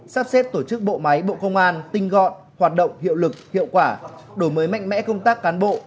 sắp xếp tổ chức bộ máy bộ công an tinh gọn hoạt động hiệu lực hiệu quả đổi mới mạnh mẽ công tác cán bộ